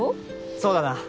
そうだな。